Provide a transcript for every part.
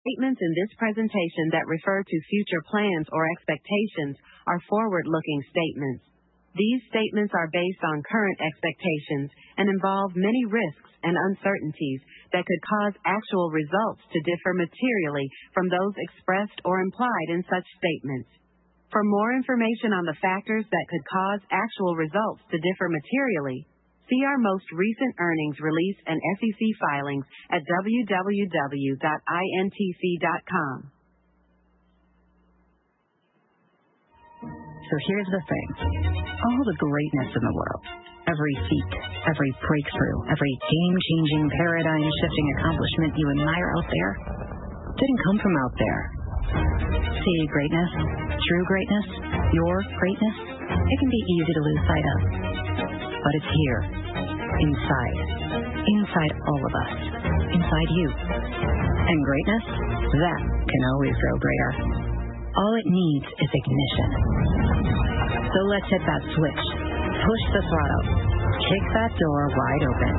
Statements in this presentation that refer to future plans or expectations are forward-looking statements. These statements are based on current expectations and involve many risks and uncertainties that could cause actual results to differ materially from those expressed or implied in such statements. For more information on the factors that could cause actual results to differ materially, see our most recent earnings release and SEC filings at www.intc.com. Here's the thing: all the greatness in the world—every peak, every breakthrough, every game-changing, paradigm-shifting accomplishment you admire out there—didn't come from out there. Greatness, true greatness, your greatness, it can be easy to lose sight of. It is here, inside, inside all of us, inside you. Greatness, that can always grow greater. All it needs is ignition. Let's hit that switch, push the throttle, kick that door wide open.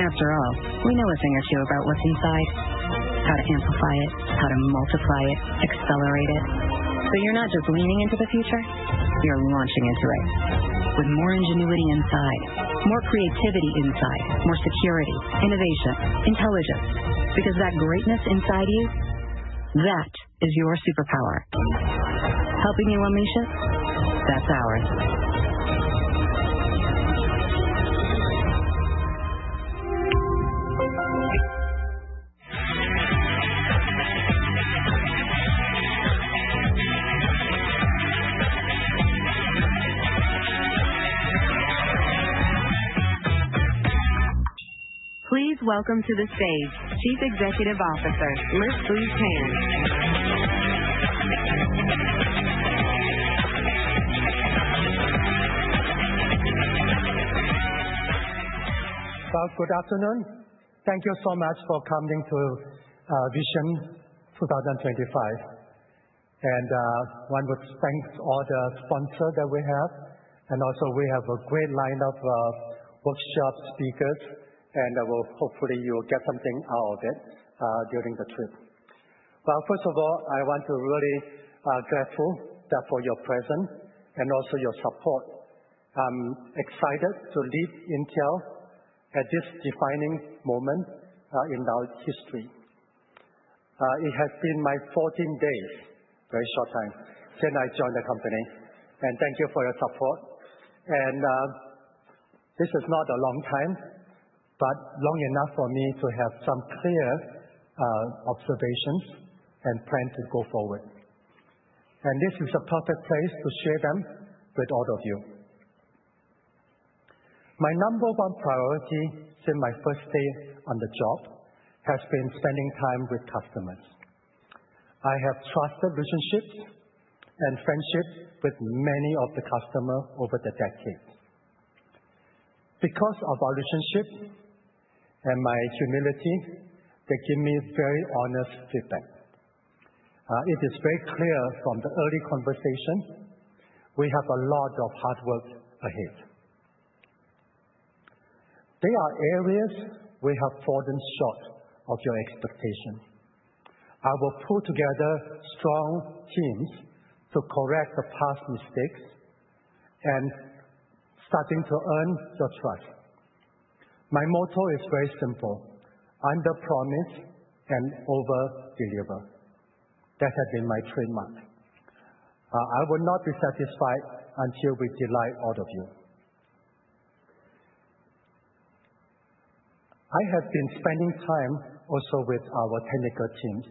After all, we know a thing or two about what's inside—how to amplify it, how to multiply it, accelerate it. You are not just leaning into the future; you are launching into it, with more ingenuity inside, more creativity inside, more security, innovation, intelligence. Because that greatness inside you, that is your superpower. Helping you unleash it? That's ours. Please welcome to the stage, Chief Executive Officer, Lip-Bu Tan. Good afternoon. Thank you so much for coming to Vision 2025. I want to thank all the sponsors that we have. Also, we have a great line of workshop speakers, and hopefully, you will get something out of it during the trip. First of all, I want to be really grateful for your presence and also your support. I'm excited to lead Intel at this defining moment in our history. It has been my 14th day, a very short time, since I joined the company. Thank you for your support. This is not a long time, but long enough for me to have some clear observations and plan to go forward. This is a perfect place to share them with all of you. My number one priority since my first day on the job has been spending time with customers. I have trusted relationships and friendships with many of the customers over the decades. Because of our relationship and my humility, they give me very honest feedback. It is very clear from the early conversation: we have a lot of hard work ahead. There are areas we have fallen short of your expectation. I will pull together strong teams to correct the past mistakes and start to earn your trust. My motto is very simple: under-promise and over-deliver. That has been my trademark. I will not be satisfied until we delight all of you. I have been spending time also with our technical teams.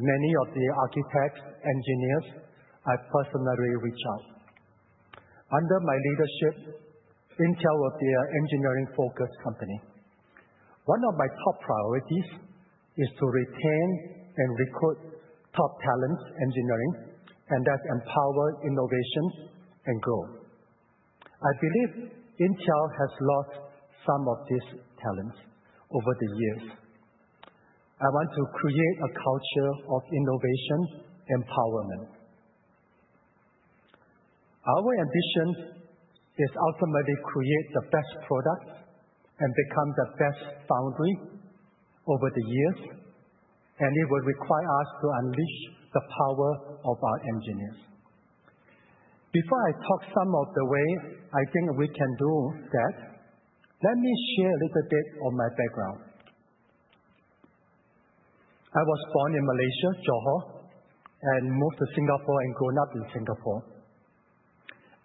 Many of the architects, engineers, I personally reach out. Under my leadership, Intel will be an engineering-focused company. One of my top priorities is to retain and recruit top talents in engineering, and that's empower innovation and growth. I believe Intel has lost some of these talents over the years. I want to create a culture of innovation empowerment. Our ambition is ultimately to create the best products and become the best foundry over the years. It will require us to unleash the power of our engineers. Before I talk some of the way I think we can do that, let me share a little bit of my background. I was born in Malaysia, Johor, and moved to Singapore and grew up in Singapore.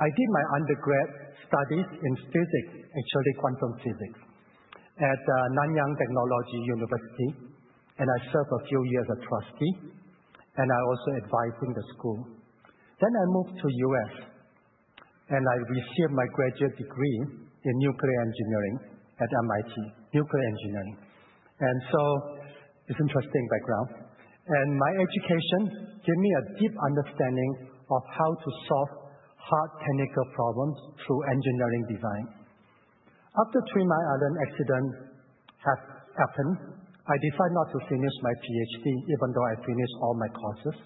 I did my undergrad studies in physics, actually quantum physics, at Nanyang Technological University. I served a few years as a trustee, and I also advised the school. I moved to the U.S., and I received my graduate degree in nuclear engineering at MIT, nuclear engineering. It's an interesting background. My education gave me a deep understanding of how to solve hard technical problems through engineering design. After the Three Mile Island accident happened, I decided not to finish my PhD, even though I finished all my courses.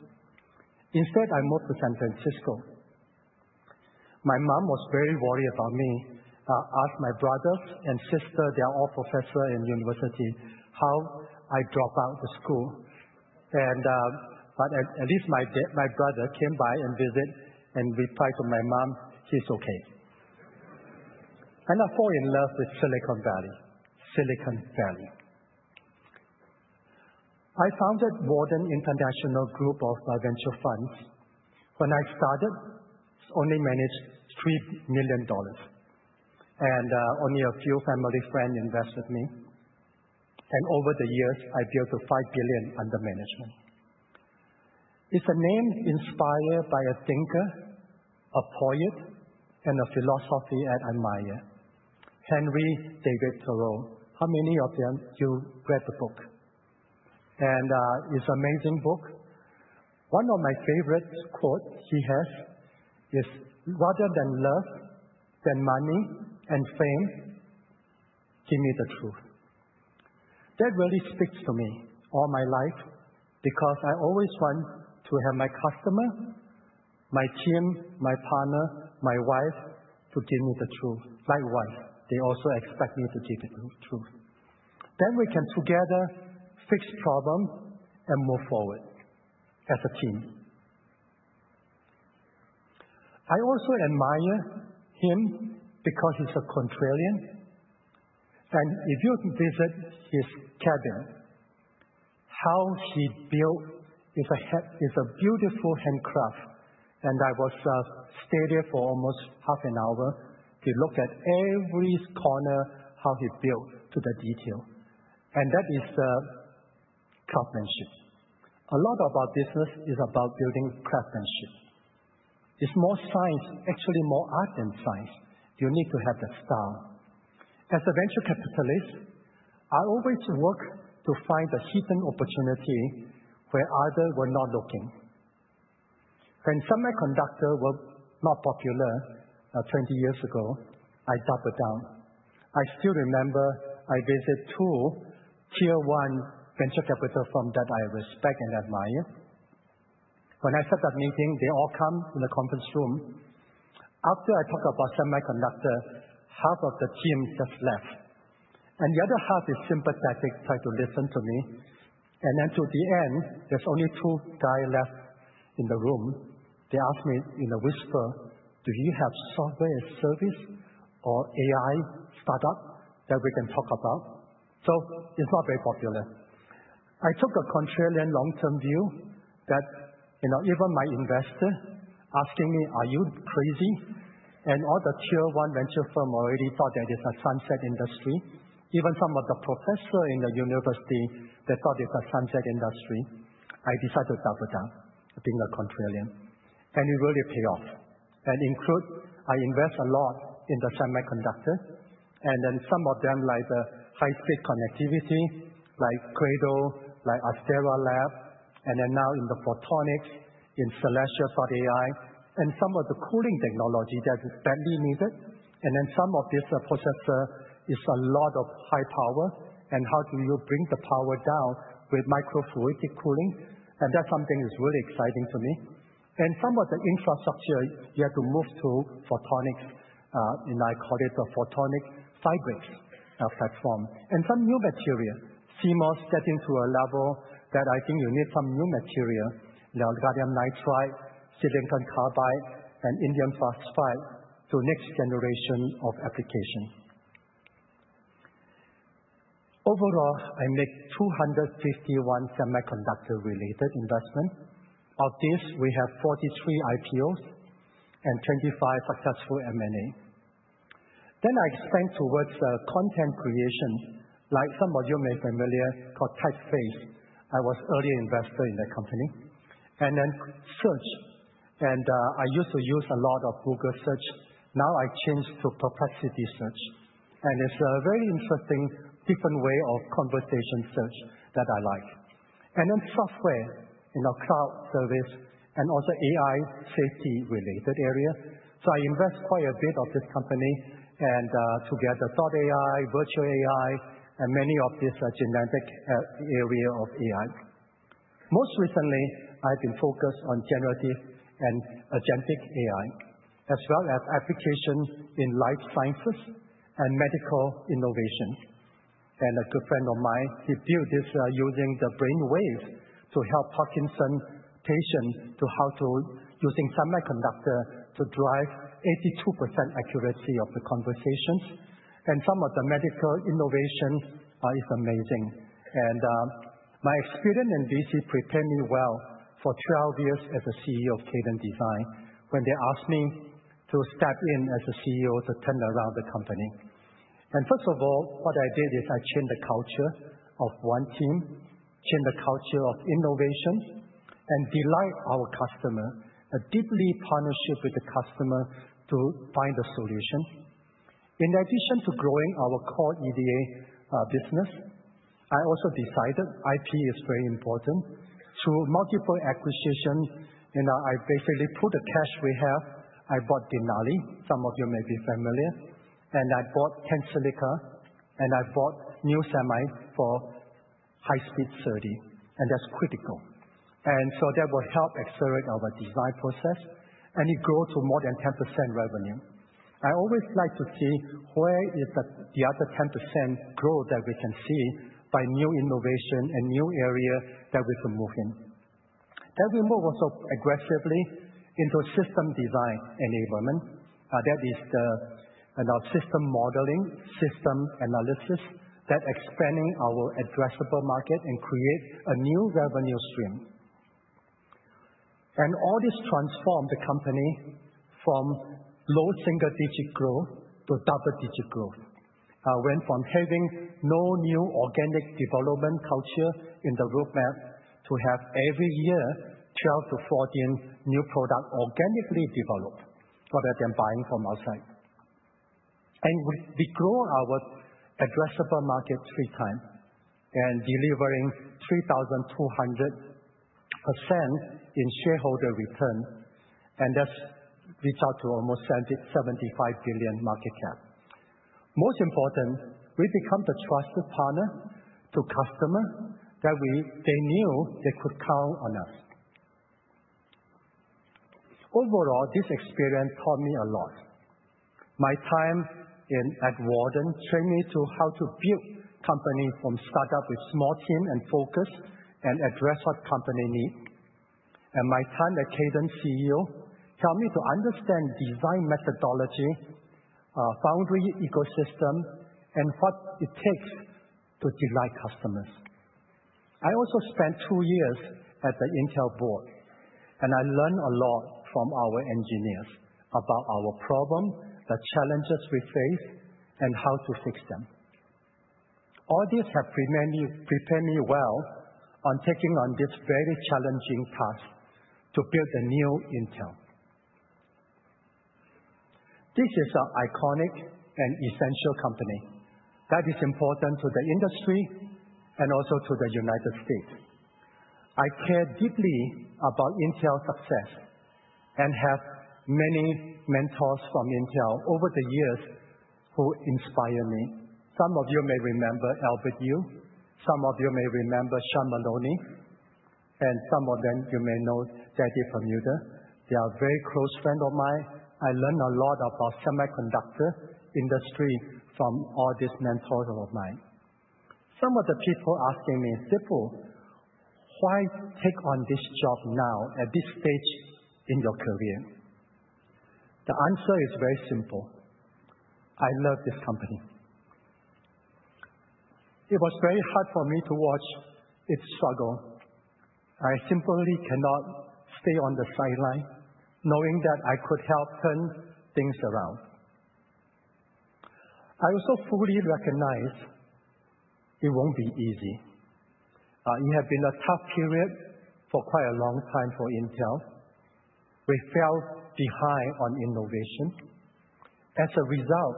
Instead, I moved to San Francisco. My mom was very worried about me, asked my brothers and sisters—they're all professors in the university—how I dropped out of school. At least my brother came by and visited and replied to my mom, "He's okay." I fell in love with Silicon Valley, Silicon Valley. I founded Walden International Group of Venture Funds. When I started, I only managed $3 million, and only a few family friends invested with me. Over the years, I built to $5 billion under management. It's a name inspired by a thinker, a poet, and a philosopher I admire, Henry David Thoreau. How many of them have read the book? It is an amazing book. One of my favorite quotes he has is, "Rather than love, than money and fame, give me the truth." That really speaks to me all my life because I always want to have my customers, my team, my partner, my wife give me the truth. Likewise, they also expect me to give the truth. We can together fix problems and move forward as a team. I also admire him because he is a contrarian. If you visit his cabin, how he built is a beautiful handcraft. I stayed there for almost half an hour to look at every corner, how he built to the detail. That is craftsmanship. A lot of our business is about building craftsmanship. It is more art than science. You need to have the style. As a venture capitalist, I always work to find the hidden opportunity where others were not looking. When semiconductors were not popular 20 years ago, I doubled down. I still remember I visited two Tier 1 venture capital firms that I respect and admire. When I set up a meeting, they all come in the conference room. After I talked about semiconductors, half of the team just left. The other half is sympathetic, tried to listen to me. To the end, there's only two guys left in the room. They asked me in a whisper, "Do you have software service or AI startup that we can talk about?" It is not very popular. I took a contrarian long-term view that even my investor asked me, "Are you crazy?" All the Tier 1 venture firms already thought that it's a sunset industry. Even some of the professors in the university, they thought it's a sunset industry. I decided to double down, being a contrarian. It really paid off. I invest a lot in the semiconductor. Some of them, like the high-speed connectivity, like Astera Labs, and now in the photonics, in Celestial AI, and some of the cooling technology that is badly needed. Some of these processors use a lot of high power. How do you bring the power down with microfluidic cooling? That's something that's really exciting to me. Some of the infrastructure, you have to move to photonics. I call it the photonic fabrics platform. Some new material, CMOS, getting to a level that I think you need some new material, like gallium nitride, silicon carbide, and indium phosphide to the next generation of application. Overall, I made 251 semiconductor-related investments. Of these, we have 43 IPOs and 25 successful M&A. I expanded towards content creation, like some of you may be familiar with called Typeface. I was an early investor in that company. I used to use a lot of Google Search. Now I changed to Perplexity Search. It is a very interesting, different way of conversation search that I like. Software, cloud service, and also AI safety-related areas. I invested quite a bit in this company and together thought AI, virtual AI, and many of these genetic areas of AI. Most recently, I've been focused on generative and agentic AI, as well as applications in life sciences and medical innovations. A good friend of mine, he built this using the brainwaves to help Parkinson's patients to how to use semiconductors to drive 82% accuracy of the conversations. Some of the medical innovation is amazing. My experience in VC prepared me well for 12 years as a CEO of Cadence Design when they asked me to step in as a CEO to turn around the company. First of all, what I did is I changed the culture of one team, changed the culture of innovation, and delighted our customers, a deeply partnership with the customer to find a solution. In addition to growing our core EDA business, I also decided IP is very important through multiple acquisitions. I basically put the cash we have, I bought Denali, some of you may be familiar, and I bought Tensilica, and I bought NuSemi for high-speed SerDes. That is critical. That will help accelerate our design process, and it grew to more than 10% revenue. I always like to see where is the other 10% growth that we can see by new innovation and new areas that we can move in. We moved also aggressively into System design enablement. That is our system modeling, system analysis, that expands our addressable market and creates a new revenue stream. All this transformed the company from low single-digit growth to double-digit growth. I went from having no new organic development culture in the roadmap to have every year 12-14 new products organically developed rather than buying from outside. We grew our addressable market three times and delivered 3,200% in shareholder return. That reached out to almost $75 billion market cap. Most important, we became the trusted partner to customers that they knew they could count on us. Overall, this experience taught me a lot. My time at Walden trained me to how to build companies from startup with small team and focus and address what company needs. My time at Cadence CEO helped me to understand design methodology, foundry ecosystem, and what it takes to delight customers. I also spent two years at the Intel board, and I learned a lot from our engineers about our problems, the challenges we faced, and how to fix them. All these have prepared me well on taking on this very challenging task to build a new Intel. This is an iconic and essential company that is important to the industry and also to the United States. I care deeply about Intel's success and have many mentors from Intel over the years who inspire me. Some of you may remember Albert Yu. Some of you may remember Sean Maloney. Some of them, you may know Dadi Perlmutter. They are very close friends of mine. I learned a lot about the semiconductor industry from all these mentors of mine. Some of the people asking me, "Lip-Bu, why take on this job now at this stage in your career?" The answer is very simple. I love this company. It was very hard for me to watch its struggle. I simply cannot stay on the sideline knowing that I could help turn things around. I also fully recognize it won't be easy. It has been a tough period for quite a long time for Intel. We fell behind on innovation. As a result,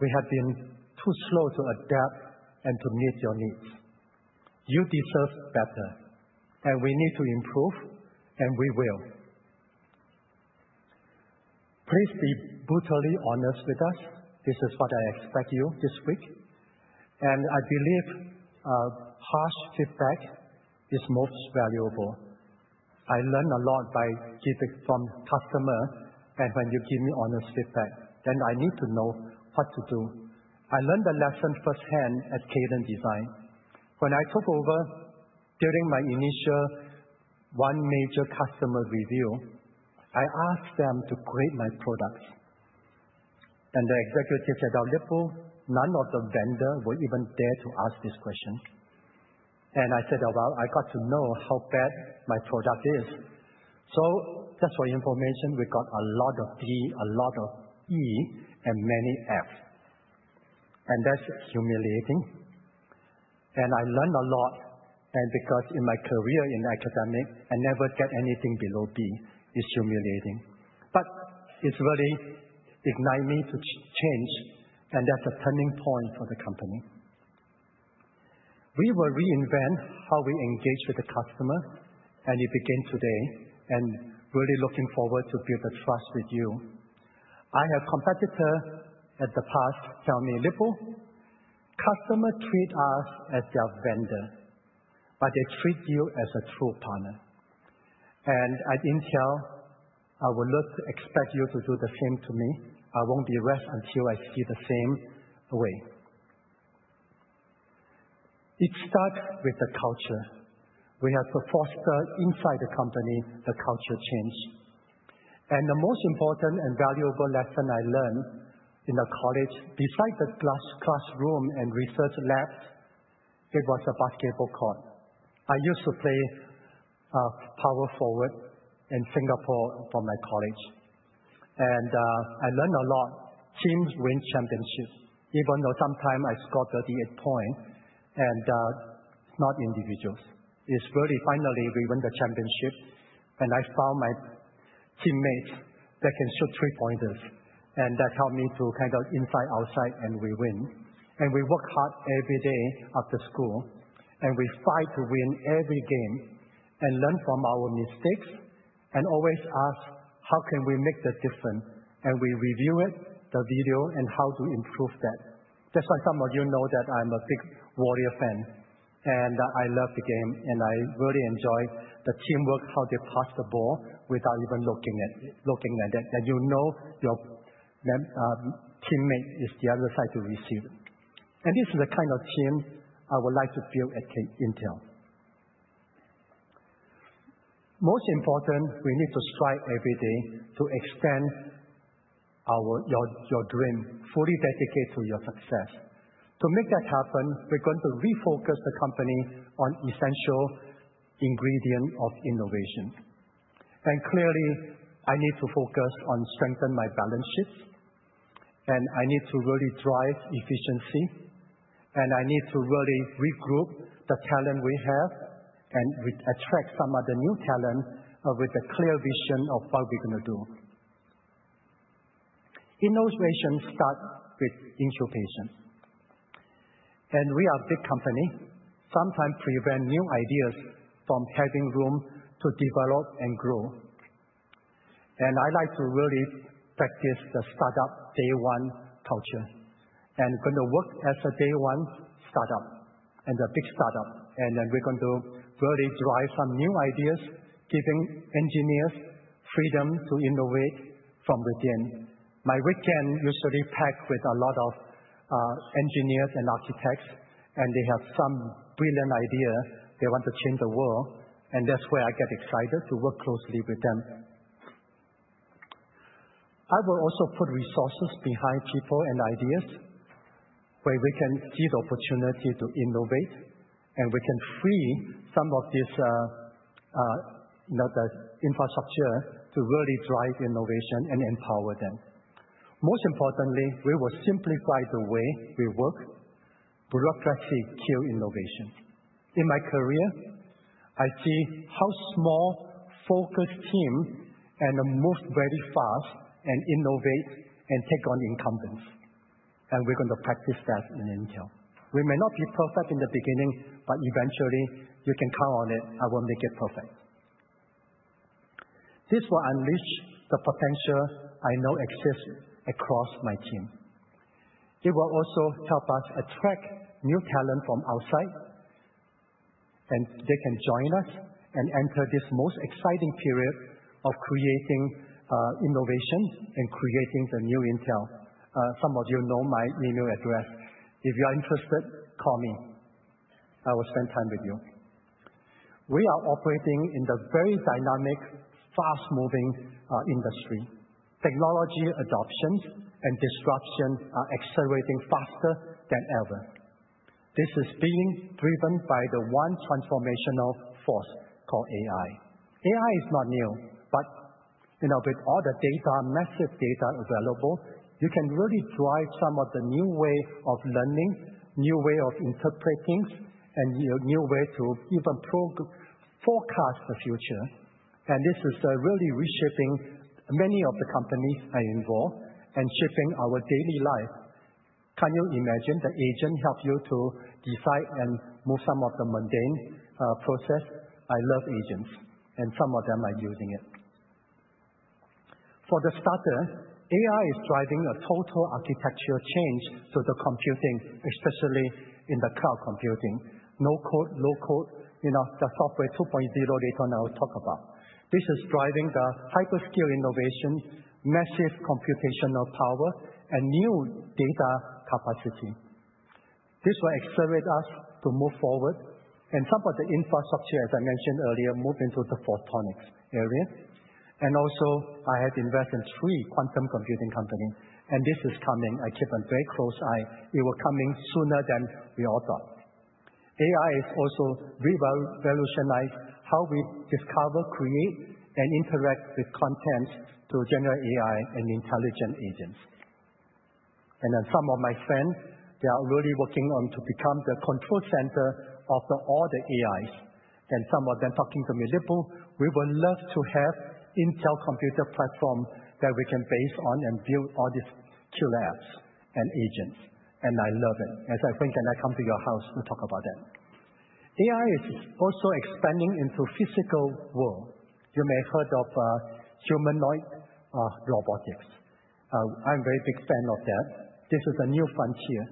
we have been too slow to adapt and to meet your needs. You deserve better, and we need to improve, and we will. Please be brutally honest with us. This is what I expect you this week. I believe harsh feedback is most valuable. I learned a lot from customers. When you give me honest feedback, then I need to know what to do. I learned the lesson firsthand at Cadence Design. When I took over during my initial one major customer review, I asked them to grade my products. The executives said, "Lip-Bu, none of the vendors would even dare to ask this question." I said, "I got to know how bad my product is." That is why information we got a lot of D, a lot of E, and many F. That is humiliating. I learned a lot. Because in my career in academic, I never got anything below B. It's humiliating. It's really ignited me to change. That's a turning point for the company. We will reinvent how we engage with the customers. It began today. I'm really looking forward to building trust with you. I have competitors in the past tell me, "Lip-Bu, customers treat us as their vendor, but they treat you as a true partner." At Intel, I would love to expect you to do the same to me. I won't be rest until I see the same way. It starts with the culture. We have to foster inside the company the culture change. The most important and valuable lesson I learned in college besides the classroom and research labs, it was a basketball court. I used to play power forward in Singapore for my college. I learned a lot. Teams win championships, even though sometimes I scored 38 points. It's not individuals. It's really finally we won the championship. I found my teammates that can shoot three-pointers. That helped me to kind of inside, outside, and we win. We work hard every day after school. We fight to win every game and learn from our mistakes and always ask, "How can we make the difference?" We review it, the video, and how to improve that. Just like some of you know that I'm a big Warrior fan. I love the game. I really enjoy the teamwork, how they pass the ball without even looking at it. You know your teammate is the other side to receive it. This is the kind of team I would like to build at Intel. Most important, we need to strive every day to extend your dream, fully dedicate to your success. To make that happen, we are going to refocus the company on essential ingredients of innovation. Clearly, I need to focus on strengthening my balance sheet. I need to really drive efficiency. I need to really regroup the talent we have and attract some of the new talent with a clear vision of what we are going to do. Innovation starts with incubation. We are a big company. Sometimes we prevent new ideas from having room to develop and grow. I like to really practice the startup day-one culture. We are going to work as a day-one startup and a big startup. We are going to really drive some new ideas, giving engineers freedom to innovate from within. My weekend is usually packed with a lot of engineers and architects. They have some brilliant ideas. They want to change the world. That is where I get excited to work closely with them. I will also put resources behind people and ideas where we can see the opportunity to innovate. We can free some of this infrastructure to really drive innovation and empower them. Most importantly, we will simplify the way we work. Bureaucratically, we kill innovation. In my career, I see how small, focused teams can move very fast and innovate and take on incumbents. We are going to practice that in Intel. We may not be perfect in the beginning, but eventually, you can count on it. I will make it perfect. This will unleash the potential I know exists across my team. It will also help us attract new talent from outside. They can join us and enter this most exciting period of creating innovation and creating the new Intel. Some of you know my email address. If you're interested, call me. I will spend time with you. We are operating in a very dynamic, fast-moving industry. Technology adoption and disruption are accelerating faster than ever. This is being driven by the one transformational force called AI. AI is not new. With all the data, massive data available, you can really drive some of the new ways of learning, new ways of interpreting, and new ways to even forecast the future. This is really reshaping many of the companies I'm involved in and shaping our daily life. Can you imagine the agent helping you to decide and move some of the mundane processes? I love agents. Some of them are using it. For the starter, AI is driving a total architectural change to the computing, especially in the cloud computing. No code, low code, the Software 2.0 data I will talk about. This is driving the hyperscale innovation, massive computational power, and new data capacity. This will accelerate us to move forward. Some of the infrastructure, as I mentioned earlier, moves into the photonics area. Also, I have invested in three quantum computing companies. This is coming. I keep a very close eye. It will come sooner than we all thought. AI is also revolutionizing how we discover, create, and interact with contents to generate AI and intelligent agents. Some of my friends, they are really working on to become the control center of all the AIs. Some of them are talking to me, "Lip-Bu, we would love to have an Intel computer platform that we can base on and build all these killer apps and agents." I love it. As I think, can I come to your house to talk about that? AI is also expanding into the physical world. You may have heard of humanoid robotics. I'm a very big fan of that. This is a new frontier.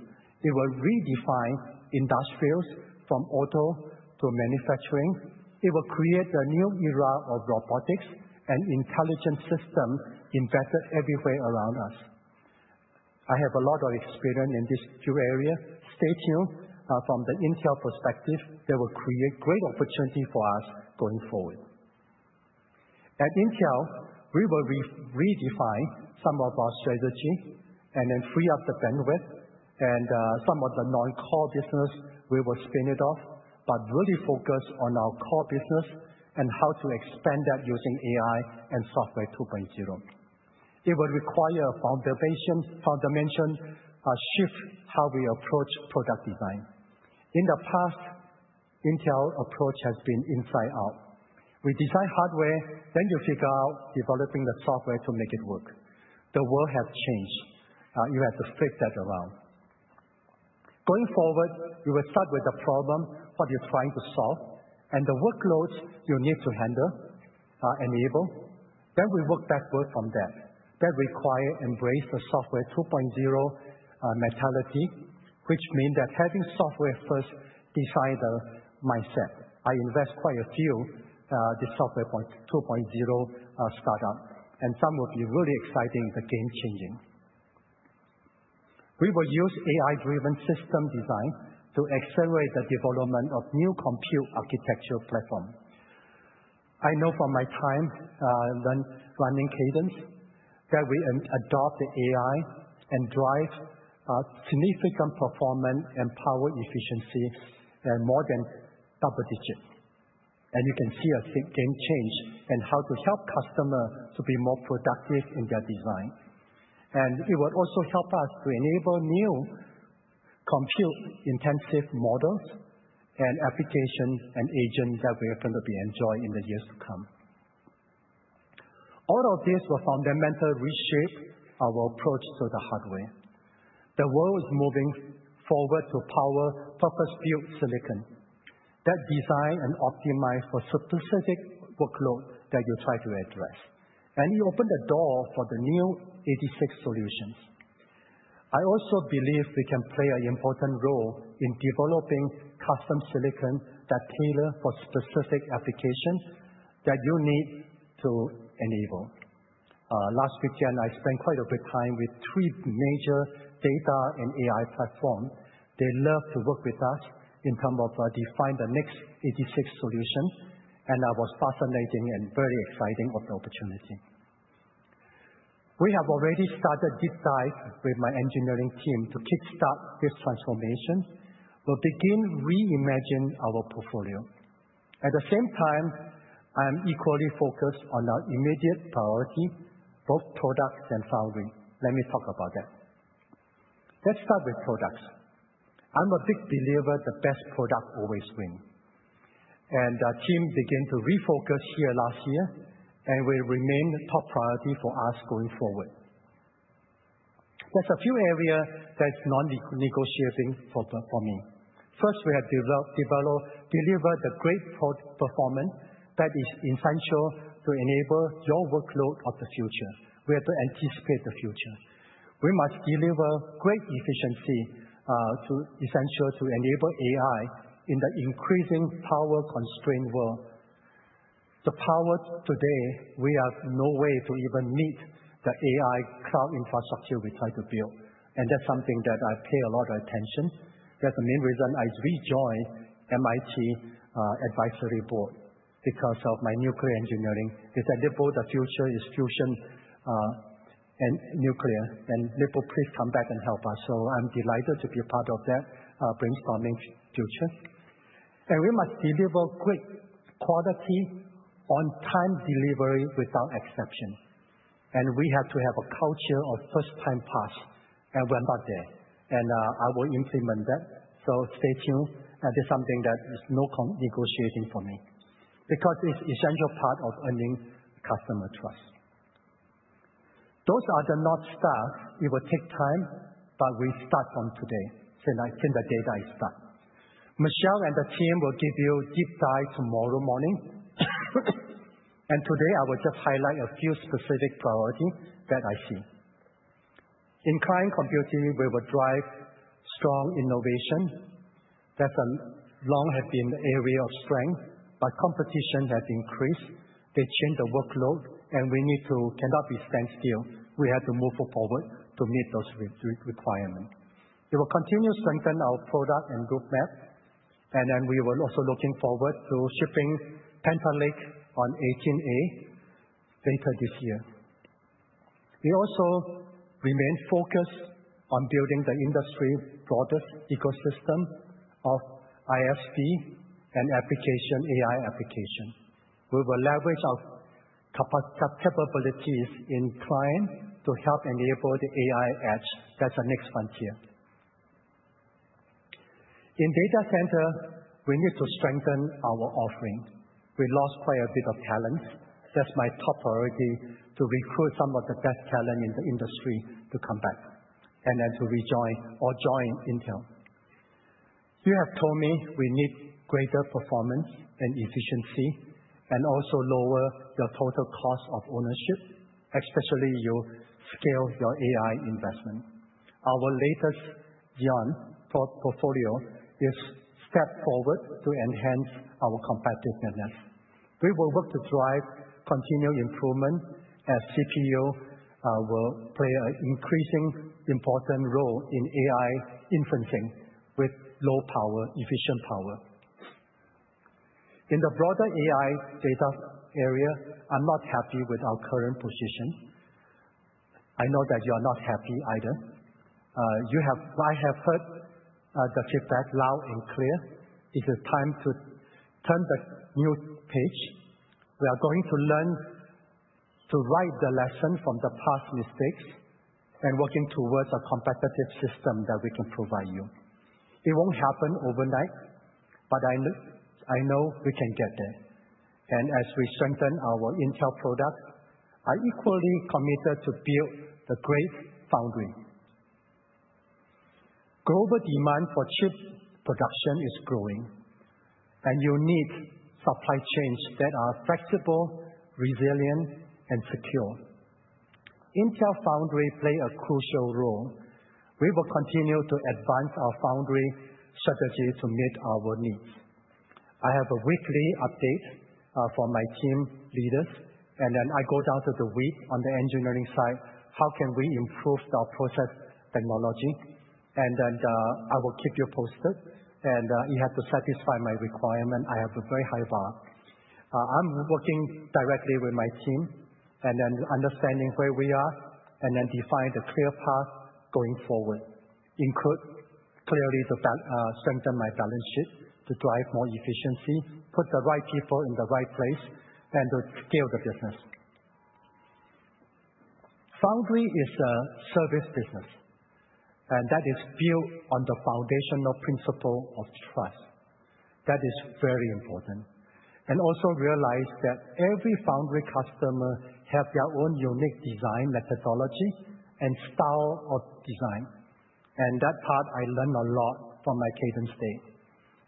It will redefine industries from auto to manufacturing. It will create a new era of robotics and intelligent systems embedded everywhere around us. I have a lot of experience in these two areas. Stay tuned from the Intel perspective. They will create great opportunities for us going forward. At Intel, we will redefine some of our strategy and then free up the bandwidth. Some of the non-core business, we will spin it off, but really focus on our core business and how to expand that using AI and Software 2.0. It will require a foundation shift in how we approach product design. In the past, Intel's approach has been inside-out. We design hardware, then you figure out developing the software to make it work. The world has changed. You have to flip that around. Going forward, we will start with the problem: what are you trying to solve? And the workloads you need to handle and enable. We work backward from that. That requires embracing the Software 2.0 mentality, which means that having software-first designer mindset. I invest quite a few in the Software 2.0 startup. Some will be really exciting and game-changing. We will use AI-driven system design to accelerate the development of new compute architecture platforms. I know from my time running Cadence that we adopted AI and drove significant performance and power efficiency at more than double digits. You can see a game change in how to help customers to be more productive in their design. It will also help us to enable new compute-intensive models and applications and agents that we are going to enjoy in the years to come. All of these will fundamentally reshape our approach to the hardware. The world is moving forward to power purpose-built silicon that designs and optimizes for specific workloads that you try to address. It opens the door for the new x86 solutions. I also believe we can play an important role in developing custom silicon that's tailored for specific applications that you need to enable. Last weekend, I spent quite a bit of time with three major data and AI platforms. They love to work with us in terms of defining the next x86 solutions. I was fascinated and very excited about the opportunity. We have already started a deep dive with my engineering team to kickstart this transformation. We will begin reimagining our portfolio. At the same time, I am equally focused on our immediate priority, both products and foundry. Let me talk about that. Let's start with products. I am a big believer the best product always wins. The team began to refocus here last year. It will remain a top priority for us going forward. There are a few areas that are non-negotiable for me. First, we have to deliver the great performance that is essential to enable your workload of the future. We have to anticipate the future. We must deliver great efficiency essential to enable AI in the increasing power constraints world. The power today, we have no way to even meet the AI cloud infrastructure we try to build. That's something that I pay a lot of attention. That's the main reason I rejoined MIT Advisory Board because of my nuclear engineering. They said, "Lip-Bu, the future is fusion and nuclear." And Lip-Bu, please come back and help us. I am delighted to be a part of that brainstorming future. We must deliver good quality, on-time delivery without exception. We have to have a culture of first-time pass. We're not there. I will implement that. Stay tuned. This is something that is non-negotiable for me because it's an essential part of earning customer trust. Those are the notes to us. It will take time. We start from today. Since I think the data is done. Michelle and the team will give you a deep dive tomorrow morning. Today, I will just highlight a few specific priorities that I see. In client computing, we will drive strong innovation. That is a long-standing area of strength. Competition has increased. They changed the workload. We cannot be standstill. We have to move forward to meet those requirements. It will continue to strengthen our product and roadmap. We are also looking forward to shipping Panther Lake on 18A later this year. We also remain focused on building the industry's broadest ecosystem of ISV and application, AI application. We will leverage our capabilities in clients to help enable the AI edge. That is the next frontier. In data center, we need to strengthen our offering. We lost quite a bit of talent. That's my top priority, to recruit some of the best talent in the industry to come back and then to rejoin or join Intel. You have told me we need greater performance and efficiency and also lower your total cost of ownership, especially your scale, your AI investment. Our latest Xeon portfolio is a step forward to enhance our competitiveness. We will work to drive continued improvement as CPU will play an increasingly important role in AI inferencing with low power, efficient power. In the broader AI data area, I'm not happy with our current position. I know that you are not happy either. I have heard the feedback loud and clear. It's time to turn the new page. We are going to learn to write the lesson from the past mistakes and work towards a competitive system that we can provide you. It won't happen overnight. I know we can get there. As we strengthen our Intel products, I'm equally committed to build the great foundry. Global demand for chip production is growing. You need supply chains that are flexible, resilient, and secure. Intel Foundry plays a crucial role. We will continue to advance our foundry strategy to meet our needs. I have a weekly update from my team leaders. I go down to the week on the engineering side. How can we improve our process technology? I will keep you posted. You have to satisfy my requirement. I have a very high bar. I'm working directly with my team and understanding where we are and defining a clear path going forward, including clearly strengthening my balance sheet to drive more efficiency, put the right people in the right place, and to scale the business. Foundry is a service business. That is built on the foundational principle of trust. That is very important. Also realize that every foundry customer has their own unique design methodology and style of design. That part, I learned a lot from my Cadence day.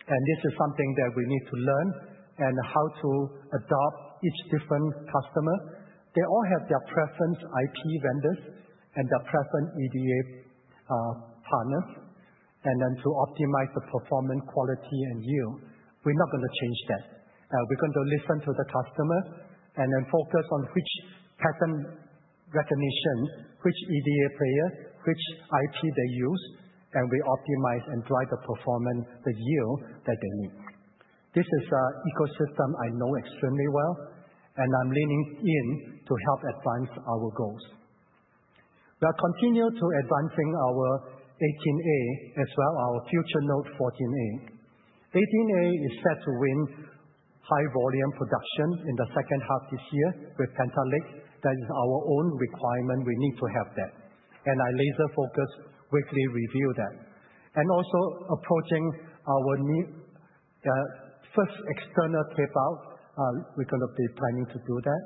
This is something that we need to learn and how to adopt each different customer. They all have their preferred IP vendors and their preferred EDA partners. To optimize the performance, quality, and yield. We're not going to change that. We're going to listen to the customer and focus on which pattern recognition, which EDA player, which IP they use. We optimize and drive the performance, the yield that they need. This is an ecosystem I know extremely well. I'm leaning in to help advance our goals. We'll continue to advance our 18A as well, our future node 14A. 18A is set to win high-volume production in the second half this year with Panther Lake. That is our own requirement. We need to have that. I laser-focused, weekly review that. Also approaching our first external tape-out. We're going to be planning to do that.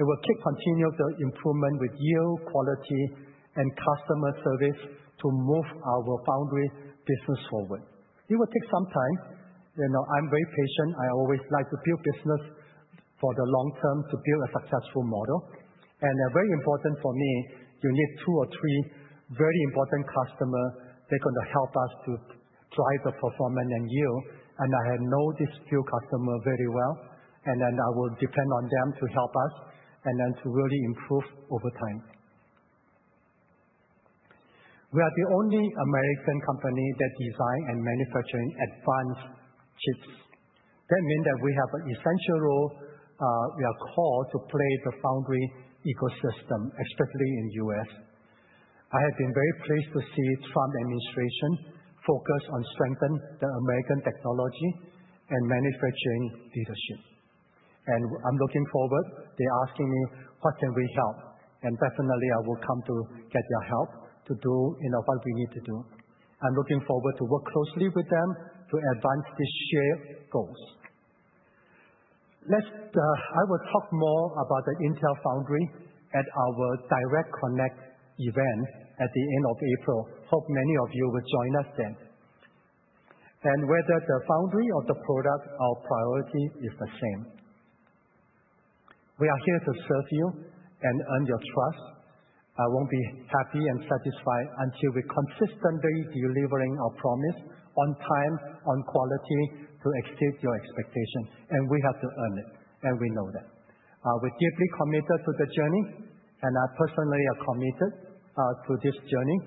It will continue the improvement with yield, quality, and customer service to move our foundry business forward. It will take some time. I'm very patient. I always like to build business for the long-term to build a successful model. Very important for me, you need two or three very important customers. They're going to help us to drive the performance and yield. I know these few customers very well. I will depend on them to help us and then to really improve over time. We are the only American company that designs and manufactures advanced chips. That means that we have an essential role. We are called to play the foundry ecosystem, especially in the U.S. I have been very pleased to see the Trump administration focus on strengthening American technology and manufacturing leadership. I am looking forward. They are asking me, "What can we help?" I will come to get your help to do what we need to do. I am looking forward to work closely with them to advance these shared goals. I will talk more about the Intel Foundry at our Direct Connect event at the end of April. Hope many of you will join us then. Whether the foundry or the product, our priority is the same. We are here to serve you and earn your trust. I won't be happy and satisfied until we consistently deliver our promise on time, on quality to exceed your expectations. We have to earn it. We know that. We're deeply committed to the journey. I personally am committed to this journey.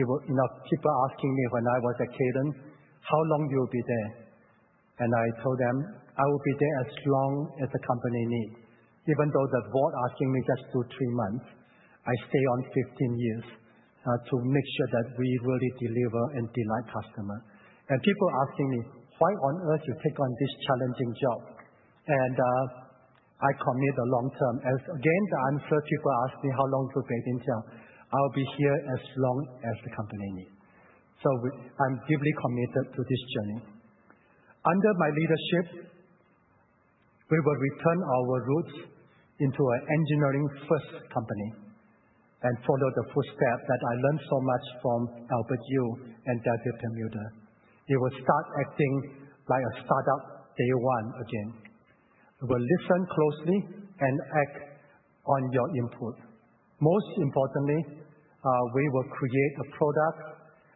People asked me when I was at Cadence, "How long will you be there?" I told them, "I will be there as long as the company needs." Even though the board asked me just to do three months, I stayed on 15 years to make sure that we really deliver and delight customers. People asked me, "Why on earth do you take on this challenging job?" I committed the long-term. Again, the answer people asked me, "How long will you be at Intel?" I'll be here as long as the company needs. I am deeply committed to this journey. Under my leadership, we will return our roots into an engineering-first company and follow the footsteps that I learned so much from Albert Yu and Dadi Perlmutter. It will start acting like a startup day one again. We will listen closely and act on your input. Most importantly, we will create a product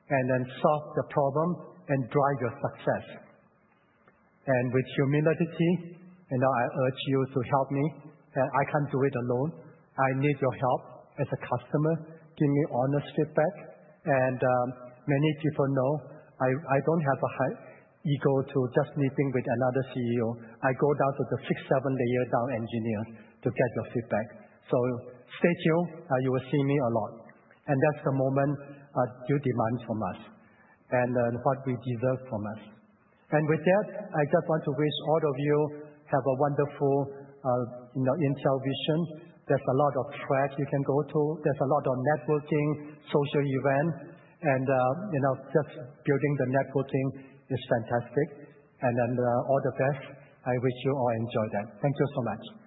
and then solve the problem and drive your success. With humility, I urge you to help me. I can't do it alone. I need your help as a customer. Give me honest feedback. Many people know I don't have a high ego to just meet with another CEO. I go down to the six, seven-layer-down engineers to get your feedback. Stay tuned. You will see me a lot. That is the moment you demand from us and what we deserve from us. With that, I just want to wish all of you have a wonderful Intel Vision. There are a lot of tracks you can go to. There are a lot of networking, social events. Just building the networking is fantastic. All the best. I wish you all enjoy that. Thank you so much.